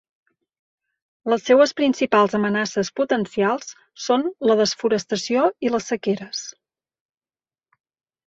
Les seues principals amenaces potencials són la desforestació i les sequeres.